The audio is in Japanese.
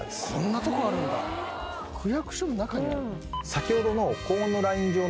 先ほどの。